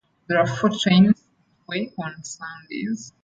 There are four trains each way on Sundays.